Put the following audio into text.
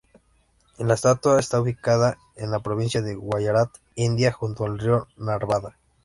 La estatua está ubicada en la provincia de Guyarat, India, junto al río Narmada.